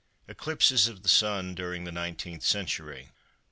ECLIPSES OF THE SUN DURING THE NINETEENTH CENTURY.